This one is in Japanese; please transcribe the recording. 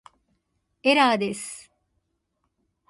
エラーです